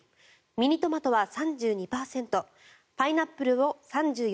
ミニトマトは３２％パイナップルは３４％